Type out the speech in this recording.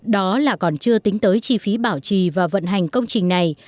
đó là còn chưa tính tới chi phí bảo trì và vận hành công trình này